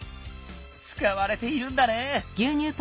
つかわれているんだね。